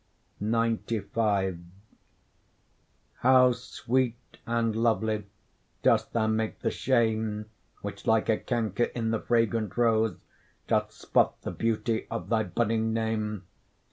XCV How sweet and lovely dost thou make the shame Which, like a canker in the fragrant rose, Doth spot the beauty of thy budding name!